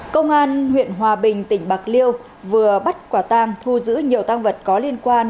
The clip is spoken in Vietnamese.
công an huyện hòa bình tỉnh bạc liêu vừa bắt quả tang thu giữ nhiều tăng vật có liên quan